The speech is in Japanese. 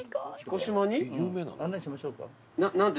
案内しましょうか？